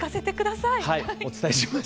はいお伝えします。